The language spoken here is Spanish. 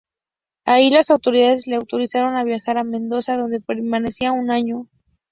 Allí las autoridades le autorizaron a viajar a Mendoza, donde permanecería un año.